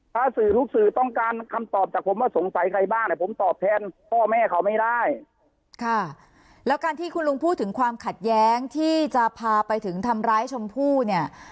ถ้าสื่อทุกสื่อต้องการคำตอบจากผมว่าสงสัยใครบ้างอ่ะผมตอบแทนพ่อแม่เขาไม่ได้ค่ะแล้วการที่คุณลุงพูดถึงความขัดแย้งที่จะพาไปถึงทำร้ายชมพู่เนี่ย